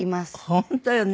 本当よね。